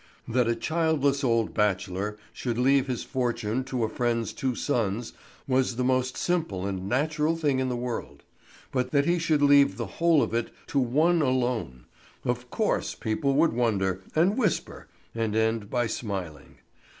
That a childless old bachelor should leave his fortune to a friend's two sons was the most simple and natural thing in the world; but that he should leave the whole of it to one alone—of course people would wonder, and whisper, and end by smiling.